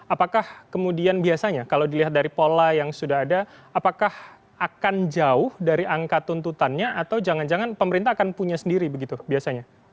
apakah kemudian biasanya kalau dilihat dari pola yang sudah ada apakah akan jauh dari angka tuntutannya atau jangan jangan pemerintah akan punya sendiri begitu biasanya